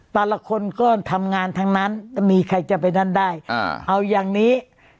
แต่ละคนก็ทำงานทั้งนั้นมีใครจะไปนั่นได้เอาอย่างนี้